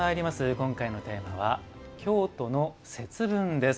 今回のテーマは京都の「節分」です。